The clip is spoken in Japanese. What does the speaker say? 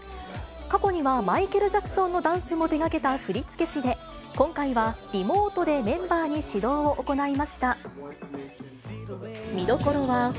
過去にはマイケル・ジャクソンのダンスも手掛けた振付師で、今回はリモートで、メンバーに指導を行いました。